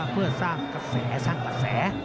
เพื่อสร้างกระแสสร้างกระแส